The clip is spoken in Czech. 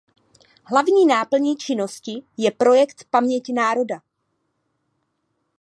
Hlavní naplní činnosti je projekt Paměť národa.